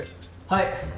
はい！